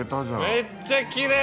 めっちゃきれい。